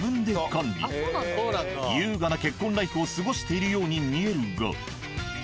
優雅な結婚ライフを過ごしているように見えるが。